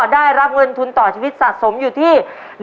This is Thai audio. ได้รับเงินทุนต่อชีวิตสะสมอยู่ที่